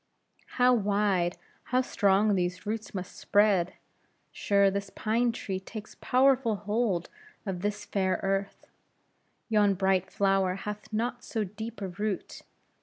"How wide, how strong these roots must spread! Sure, this pine tree takes powerful hold of this fair earth! Yon bright flower hath not so deep a root.